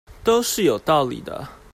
都是有道理的